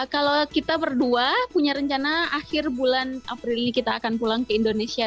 kalau kita berdua punya rencana akhir bulan april ini kita akan pulang ke indonesia